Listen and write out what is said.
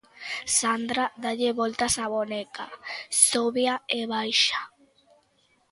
Sandra dálle voltas á boneca, sóbea e báixaa.